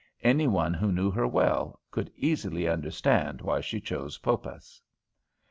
Any one who knew her well could easily understand why she chose Poppas.